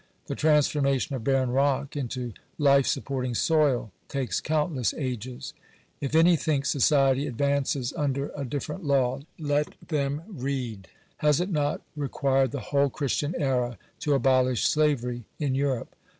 The transformation of barren rock into life supporting soil takes countless ages. If any think society advances under a different law, let them read. Has it not required the whole Christian era to abolish slavery in Europe